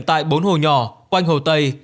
tại bốn hồ nhỏ quanh hồ tây